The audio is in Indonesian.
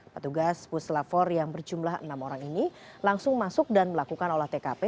petugas puslavor yang berjumlah enam orang ini langsung masuk dan melakukan olah tkp